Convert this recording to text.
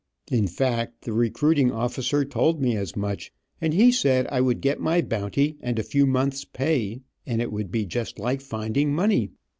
In fact the recruiting officer told me as much, and he said I would get my bounty, and a few months' pay, and it would be just like finding money.